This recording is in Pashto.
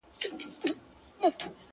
• هغه بل موږك را ودانگل ميدان ته,